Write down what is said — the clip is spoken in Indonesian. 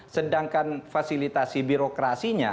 sedangkan fasilitasi birokrasinya